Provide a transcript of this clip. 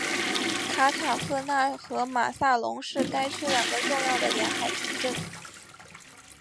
卡塔赫纳和马萨龙是该区两个重要的沿海城镇。